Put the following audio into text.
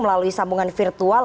melalui sambungan virtual